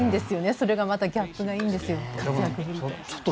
それがまたギャップがいいんですよ。